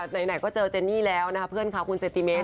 ไหนก็เจอเจนนี่แล้วนะคะเพื่อนเขาคุณเซนติเมส